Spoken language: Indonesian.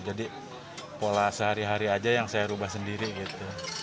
jadi pola sehari hari aja yang saya ubah sendiri gitu